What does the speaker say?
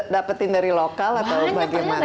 dapetin dari lokal atau bagaimana